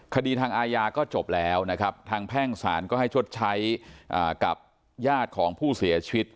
คดีทางอาญาก็จบแล้วทางแพร่งสารก็ให้ชดใช้อย่างกับย่าของผู้เสียชีวิต